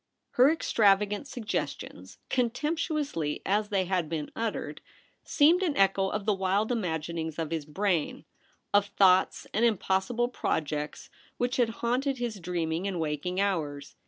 Her extravagant suggestions, con temptuously as they had been uttered, seemed an echo of the wild imaginings of his brain — of thoughts and impossible projects which had haunted his dreaming and waking hours.